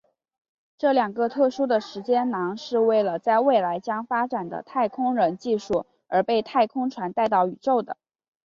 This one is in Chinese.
这两个特殊的时间囊是为了在未来将发展的太空人技术而被太空船带到宇宙的。